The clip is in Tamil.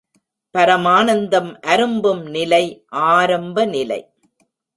பரமானந்தம் அரும்பும் நிலை ஆரம்ப நிலை.